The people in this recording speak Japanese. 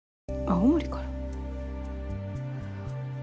青森から？